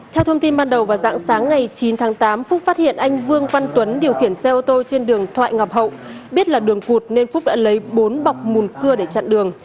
theo thông tin ban đầu vào dạng sáng ngày chín tháng tám phúc phát hiện anh vương văn tuấn điều khiển xe ô tô trên đường thoại ngọc hậu biết là đường cụt nên phúc đã lấy bốn bọc mùn cưa để chặn đường